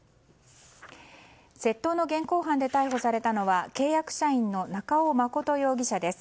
窃盗の現行犯で逮捕されたのは契約社員の中尾誠容疑者です。